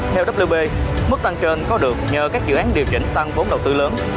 theo wb mức tăng trên có được nhờ các dự án điều chỉnh tăng vốn đầu tư lớn